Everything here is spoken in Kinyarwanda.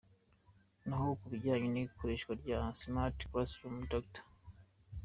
Naho ku bijyanye n’ikoreshwa rya za Smart Classroom Dr.